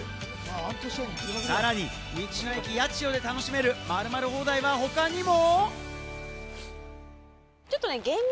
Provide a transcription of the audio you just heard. さらに、道の駅やちよで楽しめる〇〇放題は他にも！